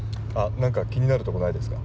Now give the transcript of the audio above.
何か気になるとこないですか